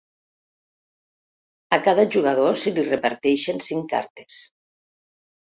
A cada jugador se li reparteixen cinc cartes.